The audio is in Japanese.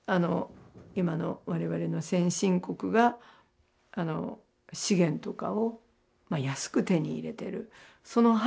今の我々の先進国が資源とかを安く手に入れてるその背景にある問題ですよね。